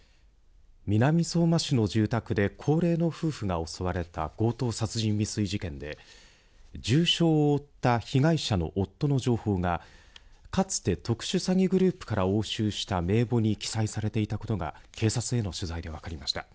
南相馬市の住宅で高齢の夫婦が襲われた強盗殺人未遂事件で重傷を負った被害者の夫の情報がかつて特殊詐欺グループから押収した名簿に記載されていたことが警察への取材で分かりました。